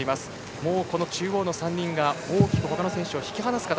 もう中央の３人が大きくほかの選手を引き離す形。